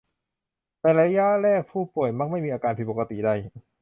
ในระยะแรกผู้ป่วยมักไม่มีอาการผิดปกติใด